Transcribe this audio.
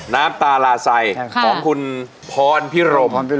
น้ำตาลาไซของคุณพรพิรม